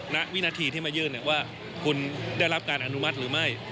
ณวินาทีที่มายื่นว่าคุณได้รับการอนุมัติหรือไม่